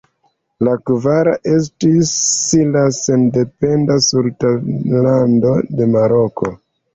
La kvara estis la sendependa Sultanlando de Maroko.